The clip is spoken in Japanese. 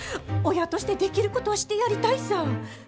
親としてできることはしてやりたいさぁ。